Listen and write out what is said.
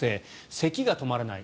せきが止まらない。